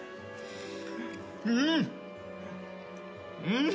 うん！